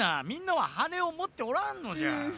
みんなははねをもっておらんのじゃ。